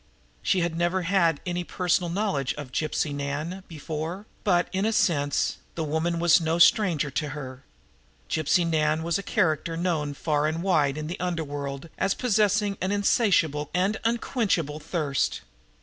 She had never had any personal knowledge of Gypsy Nan before, but, in a sense, the woman was no stranger to her. Gypsy Nan was a character known far and wide in the under world as one possessing an insatiable and unquenchable thirst.